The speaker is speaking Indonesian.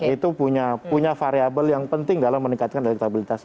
itu punya variabel yang penting dalam meningkatkan elektabilitasnya